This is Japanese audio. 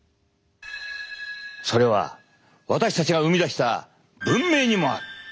それは私たちが生み出した文明にもある。